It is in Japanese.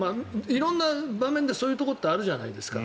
色んな場面でそういうことってあるじゃないですか。